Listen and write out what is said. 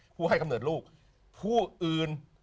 ผู้ให้กำเนิดลูกผู้อื่น